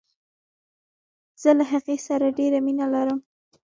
زه له هغې سره ډیره مینه لرم.